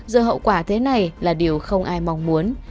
rồi hậu quả thế này là điều không ai mong muốn